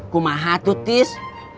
kumaha atu tis